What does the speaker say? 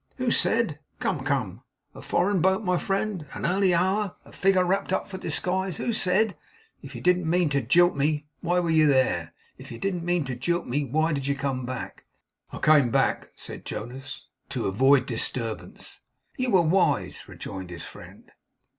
'Who said? Come, come. A foreign boat, my friend, an early hour, a figure wrapped up for disguise! Who said? If you didn't mean to jilt me, why were you there? If you didn't mean to jilt me, why did you come back?' 'I came back,' said Jonas, 'to avoid disturbance.' 'You were wise,' rejoined his friend.